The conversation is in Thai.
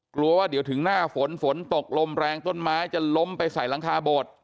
กลัวว่าเดี๋ยวถึงหน้าฝนฝนตกลมแรงต้นไม้จะล้มไปใส่หลังคาโบด